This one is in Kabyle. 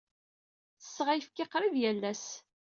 Ttesseɣ ayefki qrib yal ass.